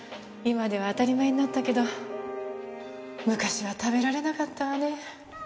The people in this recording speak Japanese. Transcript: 今では当たり前になったけど昔は食べられなかったわね。